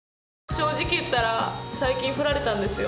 正直言ったら最近フラれたんですよ